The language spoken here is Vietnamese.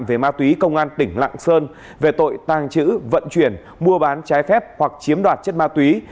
về ma túy công an tỉnh lạng sơn về tội tàng trữ vận chuyển mua bán trái phép hoặc chiếm đoạt chất ma túy